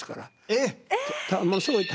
えっ！